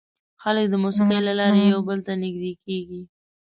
خلک د موسیقۍ له لارې یو بل ته نږدې کېږي.